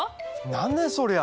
何ねそりゃ！